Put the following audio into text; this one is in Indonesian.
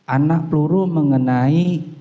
anak peluru mengenai